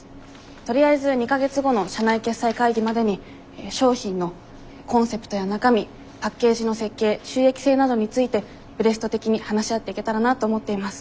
とりあえず２か月後の社内決裁会議までに商品のコンセプトや中身パッケージの設計収益性などについてブレスト的に話し合っていけたらなと思っています。